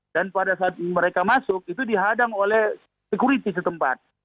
dan pada saat mereka masuk itu dihadang oleh sekuriti setempat